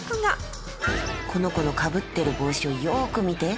この子のかぶってる帽子をよーく見て。